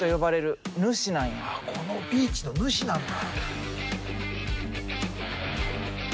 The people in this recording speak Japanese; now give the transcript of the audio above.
このビーチのヌシなんだ。